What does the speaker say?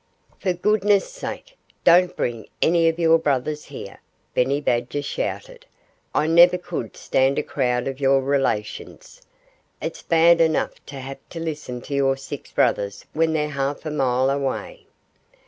"For goodness' sake, don't bring any of your brothers here!" Benny Badger shouted. "I never could stand a crowd of your relations. It's bad enough to have to listen to your six brothers when they're half a mile away."